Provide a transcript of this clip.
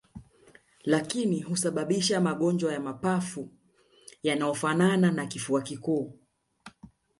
lakini husababisha magonjwa ya mapafu yanayofanana na kifua kikuu